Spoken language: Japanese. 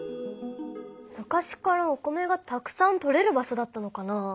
昔からお米がたくさんとれる場所だったのかな？